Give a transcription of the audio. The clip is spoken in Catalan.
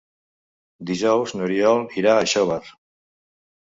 Dijous n'Oriol irà a Xóvar.